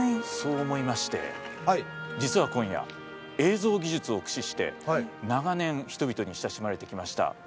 そう思いまして実は今夜、映像技術を駆使して長年、人々に親しまれてきました